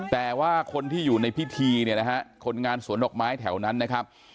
แต่ว่าคนที่อยู่ในพิธีเนี่ยนะฮะคนงานสวนดอกไม้แถวนั้นนะครับ